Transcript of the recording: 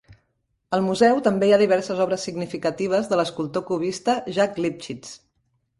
Al museu també hi ha diverses obres significatives de l'escultor cubista Jacques Lipchitz.